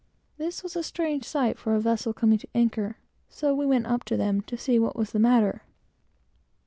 This was a strange sight for a vessel coming to anchor; so we went up to them, to see what was the matter.